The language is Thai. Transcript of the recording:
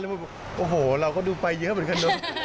แล้วผมบอกโอ้โฮเราก็ดูไปเยอะเหมือนกัน